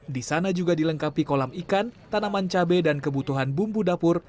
di sana juga dilengkapi kolam ikan tanaman cabai dan kebutuhan bumbu dapur